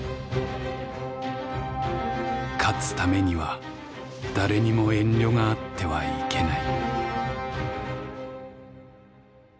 「勝つ為には誰れにも遠慮があってはいけない」。